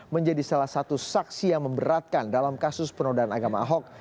menjadi salah satu saksi yang memberatkan dalam kasus penodaan agama ahok